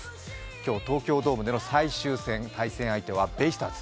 今日、東京ドームでの最終戦、対戦相手はベイスターズ。